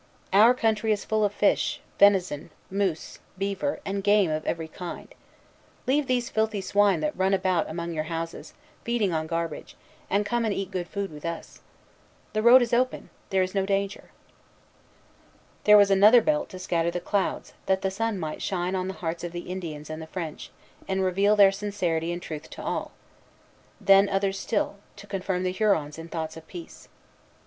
"Our country is full of fish, venison, moose, beaver, and game of every kind. Leave these filthy swine that run about among your houses, feeding on garbage, and come and eat good food with us. The road is open; there is no danger." There was another belt to scatter the clouds, that the sun might shine on the hearts of the Indians and the French, and reveal their sincerity and truth to all; then others still, to confirm the Hurons in thoughts of peace.